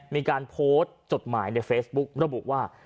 มีการโพสต์จดหมายในเฟซบุ๊กระบุว่า